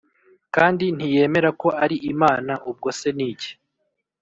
Kandi ntiyemera ko ari imana ubwose niki